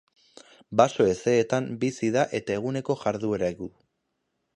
Baso hezeetan bizi da eta eguneko jarduera du.